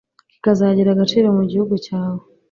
kikazagira agaciro mu gihugu cyawe